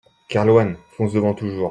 Kerlouan, Fonce Devant Toujours.